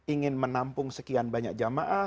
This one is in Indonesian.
ingin menampung sekian banyak jamaah